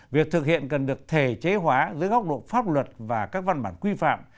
việc thực hiện cần được thể chế hóa dưới góc độ pháp luật và các văn bản quy phạm